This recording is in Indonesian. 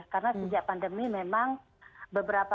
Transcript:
karena sejak pandemi memang beberapa